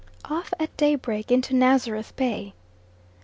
Off at daybreak into Nazareth Bay.